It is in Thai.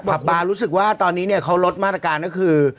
กลับมารู้สึกว่าตอนนี้เนี่ยเขาลดมาตรการก็คือ